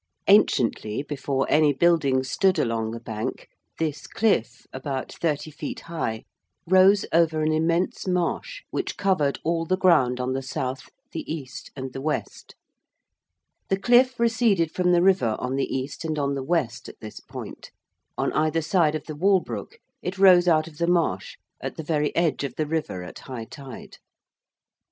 Anciently, before any buildings stood along the bank, this cliff, about 30 feet high, rose over an immense marsh which covered all the ground on the south, the east, and the west. The cliff receded from the river on the east and on the west at this point: on either side of the Walbrook it rose out of the marsh at the very edge of the river at high tide.